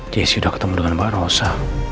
jessi sudah ketemu dengan bu rosa